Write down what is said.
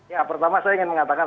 ya pertama saya ingin mengatakan